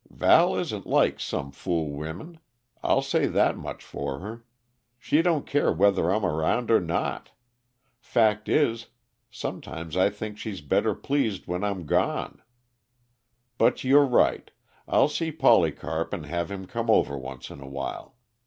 Val isn't like some fool women, I'll say that much for her. She don't care whether I'm around or not; fact is, sometimes I think she's better pleased when I'm gone. But you're right I'll see Polycarp and have him come over once in a while.